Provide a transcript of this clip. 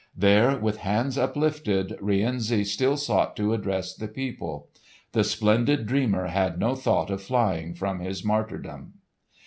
There, with hands uplifted, Rienzi still sought to address the people. The splendid dreamer had no thought of flying from his martyrdom.